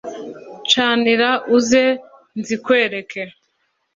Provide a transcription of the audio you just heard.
Canira uze nzikwereke